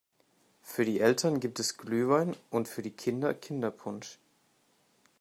Für die Eltern gibt es Glühwein und für die Kinder Kinderpunsch.